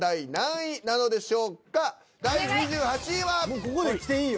もうここできていいよ。